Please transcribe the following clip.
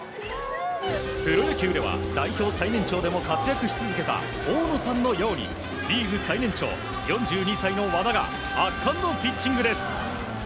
プロ野球では代表最年長でも活躍し続けた大野さんのようにリーグ最年長、４２歳の和田が圧巻のピッチングです。